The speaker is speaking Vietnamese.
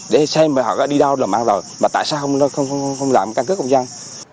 để xem họ đi đâu là mang vào tại sao không làm căn cước công dân